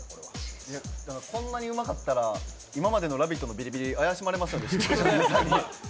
こんなにうまかったら、今までの「ラヴィット！」のビリビリ、怪しまれますよね。